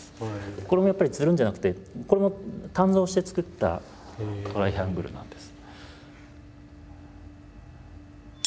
これもやっぱりつるんじゃなくてこれもトライアングルなんです。